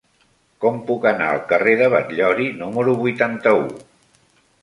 Com puc anar al carrer de Batllori número vuitanta-u?